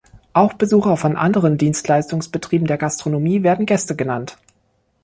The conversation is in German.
Auch Besucher von anderen Dienstleistungsbetrieben der Gastronomie werden Gäste genannt.